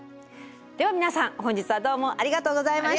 では皆さん本日はどうもありがとうございました！